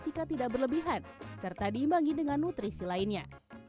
jika tidak berlebihan serta diimbangi dengan nutrisi lainnya